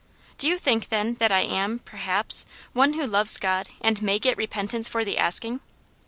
" Do you think, then, that I am, perhaps, one who loves God, and may get repentance for the asking